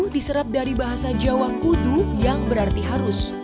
diserap dari bahasa jawa kudu yang berarti harus